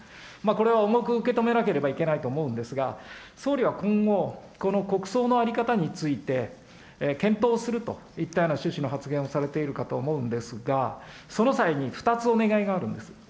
これは重く受け止めなければいけないと思うんですが、総理は今後、この国葬の在り方について、検討するといったような趣旨の発言をされているかと思うんですが、その際に、２つお願いがあるんです。